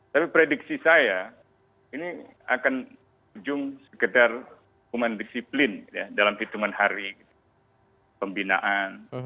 tapi prediksi saya ini akan ujung sekedar hukuman disiplin dalam hitungan hari pembinaan